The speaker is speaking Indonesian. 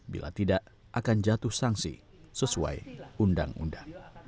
bila tidak akan jatuh sanksi sesuai undang undang